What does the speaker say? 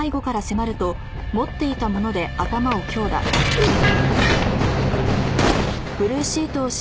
うっ！